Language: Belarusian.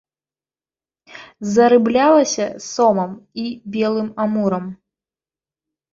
Зарыблялася сомам і белым амурам.